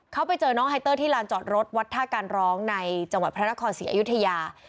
เขาไปเจอน้องไฮเตอร์ที่ลานจอดรถวัดท่าการร้องในจังหวัดพระนครศรีอยุธยา